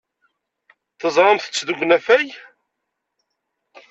Teẓramt-t deg unafag.